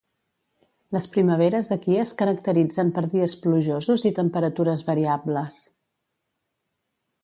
Les primaveres aquí es caracteritzen per dies plujosos i temperatures variables.